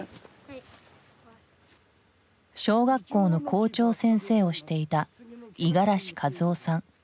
小学校の校長先生をしていた五十嵐和雄さん。